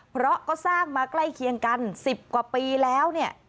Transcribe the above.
เพราะก็สร้างมาใกล้เคียงกัน๑๐กว่าปีแล้วเนี่ย